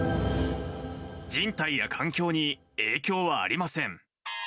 人体や環境に影響はありません。